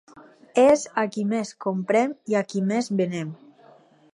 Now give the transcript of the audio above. És a qui més comprem i a qui més venem.